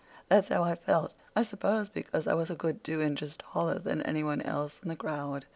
That's how I felt—I suppose because I was a good two inches taller than any one else in the crowd.